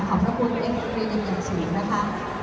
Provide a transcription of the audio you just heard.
ขอบพระพุทธเอ็มพิวนิยมอย่างสูงนะคะ